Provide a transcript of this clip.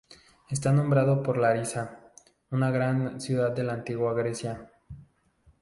Está nombrado por Larisa, una ciudad de la antigua Grecia.